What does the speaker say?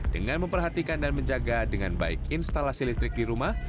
dengan memperhatikan dan menjaga dengan baik instalasi listrik di rumah